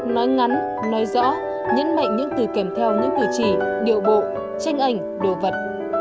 nói ngắn nói rõ nhấn mạnh những từ kèm theo những cử chỉ điệu bộ tranh ảnh đồ vật